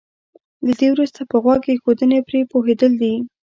له دې وروسته په غوږ ايښودنې پرې پوهېدل دي.